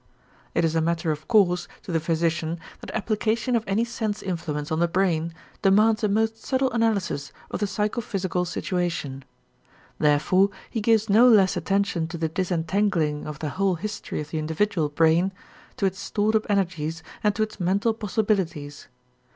It is a matter of course to the physician that application of any sense influence on the brain demands a most subtle analysis of the psychophysical situation. Therefore he gives no less attention to the disentangling of the whole history of the individual brain, to its stored up energies and to its mental possibilities.